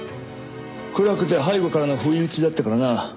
暗くて背後からの不意打ちだったからな。